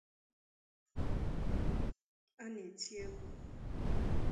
a na-eti egwu